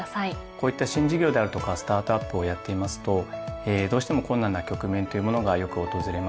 こういった新事業であるとかスタートアップをやっていますとどうしても困難な局面というものがよく訪れます。